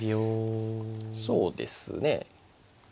そうですね。